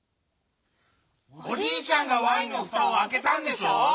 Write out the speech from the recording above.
おじいちゃんが「ワインのふたをあけた」んでしょ！